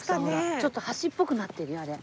ちょっと橋っぽくなってるよ。